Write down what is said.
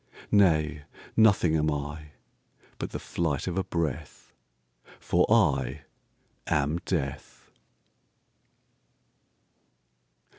Nay, nothing am I,But the flight of a breath—For I am Death!